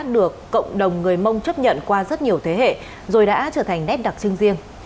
được cộng đồng người mông chấp nhận qua rất nhiều thế hệ rồi đã trở thành nét đặc trưng riêng